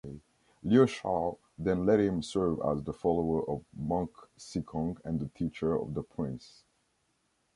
Liu Shao then let him serve as the follower of Monk Sikong and the teacher of the prince.